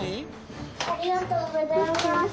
ありがとうございます。